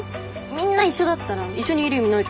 みんな一緒だったら一緒にいる意味ないじゃん。